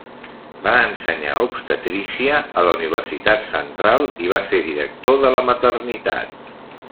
Va ensenyar obstetrícia a la Universitat Central i va ser director de la Maternitat.